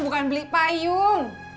bukan beli payung